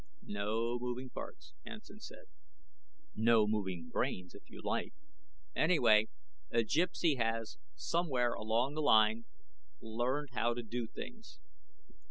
"No moving parts." Hansen said. "No moving brains, if you like. Anyway, a Gypsy has somewhere along the line learned how to do things.